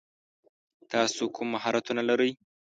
تاسو کوم مهارتونه لری ؟